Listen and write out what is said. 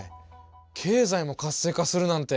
経済も活性化するなんて